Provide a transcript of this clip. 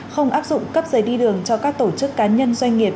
không áp dụng cấp giấy đi đường cho các tổ chức cá nhân doanh nghiệp